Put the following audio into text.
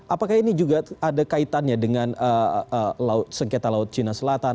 apakah ini juga ada kaitannya dengan sengketa laut cina selatan